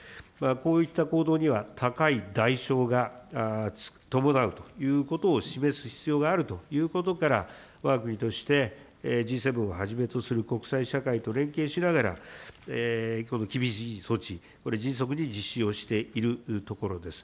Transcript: こういった行動には高い代償が伴うということを示す必要があるということから、わが国としてＧ７をはじめとする国際社会と連携しながら、この厳しい措置、これ、迅速に実施をしているところです。